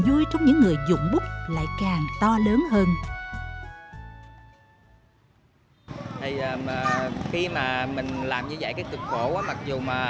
vui trong những người dụng bút lại càng to lớn hơn thì khi mà mình làm như vậy cái cực khổ quá mặc dù mà